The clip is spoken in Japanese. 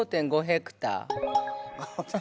５．５ヘクタール。